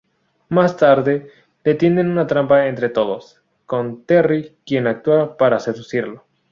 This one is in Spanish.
Más tarde, le tienden una trampa entre todos, con Terri quien actúa para seducirlo.